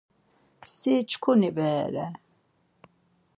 Si çkuni bere re.